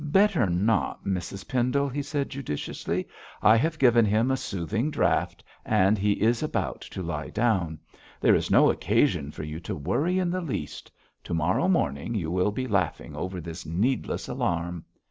'Better not, Mrs Pendle,' he said judiciously. 'I have given him a soothing draught, and now he is about to lie down. There is no occasion for you to worry in the least. To morrow morning you will be laughing over this needless alarm.